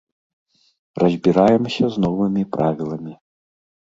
Разбіраемся з новымі правіламі.